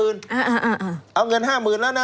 เอาเงิน๕๐๐๐แล้วนะ